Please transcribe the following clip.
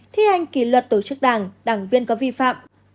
thi hành kỷ luật tổ chức đảng đảng viên có vi phạm